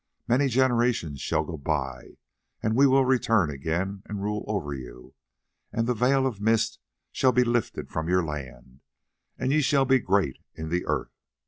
Many generations shall go by and we will return again and rule over you, and the veil of mist shall be lifted from your land, and ye shall be great in the earth.